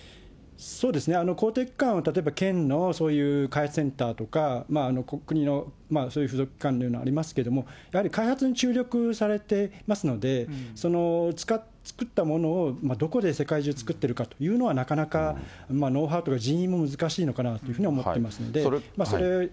そうですね、公的機関は例えば、県の開発センターとか、国のそういう付属機関などありますけど、やはり開発に注力されてますので、作ったものを、どこで世界中作ってるかというのは、なかなか、ノウハウとか人員も難しいのかなというふうに思いますね。